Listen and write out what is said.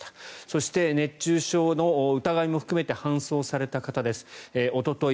そして、熱中症の疑いも含めて搬送された方です。